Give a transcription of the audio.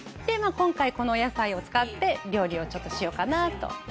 今回この野菜を使って料理をちょっとしようかなと。